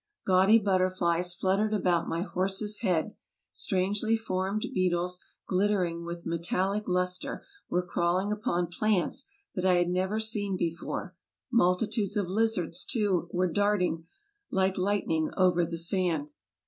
Gaudy butterflies fluttered about my horse's head; strangely formed beetles, glittering with met AMERICA 81 allic lustre, were crawling upon plants that I had never seen before; multitudes of lizards, too, were darting like lightning over the sand.